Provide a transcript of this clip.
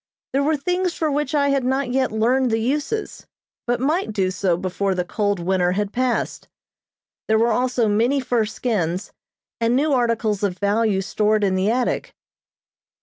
There were things for which I had not yet learned the uses, but might do so before the cold winter had passed. There were also many fur skins, and new articles of value stored in the attic.